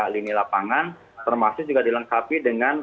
lini lapangan termasuk juga dilengkapi dengan